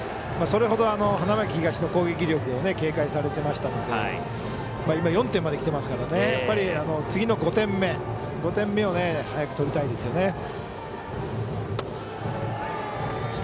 それほど、花巻東の攻撃力を警戒されていましたので今、４点まできてますから次の５点目を早く取りたいですね。